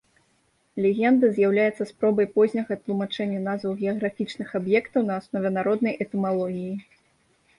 Легенда з'яўляецца спробай позняга тлумачэння назваў геаграфічных аб'ектаў на аснове народнай этымалогіі.